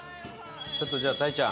ちょっとじゃあたいちゃん。